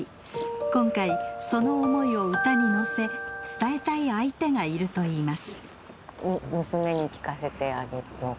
今回その思いを歌に乗せ伝えたい相手がいるといいます。